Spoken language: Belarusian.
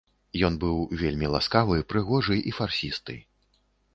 Ён быў вельмі ласкавы, прыгожы і фарсісты.